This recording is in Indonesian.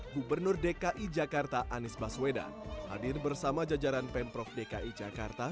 gubernur dki jakarta anies baswedan hadir bersama jajaran pemprov dki jakarta